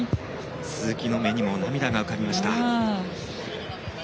鈴木の目にも涙が浮かびました。